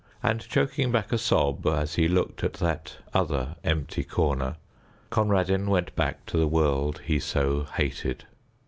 And choking back a sob as he looked at that other empty corner, Conradin went back to the world he so hated.